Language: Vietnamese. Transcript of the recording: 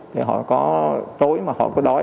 thì họ có tối mà họ có đói